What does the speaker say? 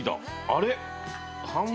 あれ？